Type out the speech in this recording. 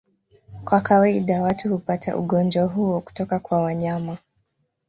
Kwa kawaida watu hupata ugonjwa huo kutoka kwa wanyama.